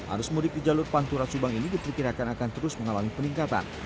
arus mudik di jalur pantura subang ini diperkirakan akan terus mengalami peningkatan